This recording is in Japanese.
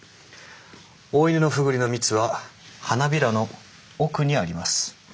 オオイヌノフグリの蜜は花びらの奥にあります。